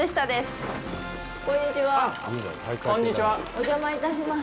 お邪魔いたします。